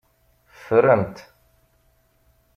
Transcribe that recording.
Ffren-t.